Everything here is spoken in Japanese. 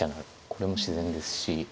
これも自然ですし。